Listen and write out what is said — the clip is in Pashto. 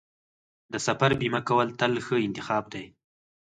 د سفر بیمه کول تل ښه انتخاب دی.